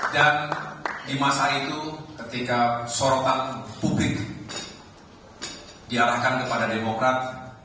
dan di masa itu ketika sorotan publik diarahkan kepada demokrat